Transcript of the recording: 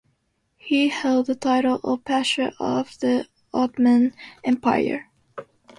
He held the title of Pasha of the Ottoman Empire.